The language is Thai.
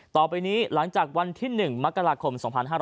ต่อไปนี้หลังจากวันที่๑มกราคม๒๕๕๙